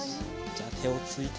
じゃあてをついて。